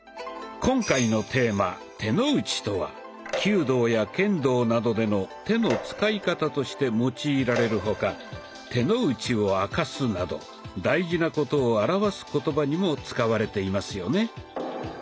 今回のテーマ「手の内」とは弓道や剣道などでの手の使い方として用いられる他「手の内を明かす」など大事なことを表す言葉にも使われていますよね。